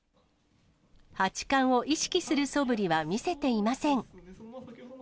八冠を意識するそぶりは見せていません。